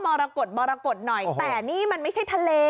มรกฎมรกฏหน่อยแต่นี่มันไม่ใช่ทะเล